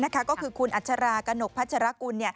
ก็คือคุณอัชรากระหนกพัชรกุล